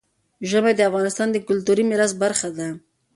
ژمی د افغانستان د کلتوري میراث برخه ده.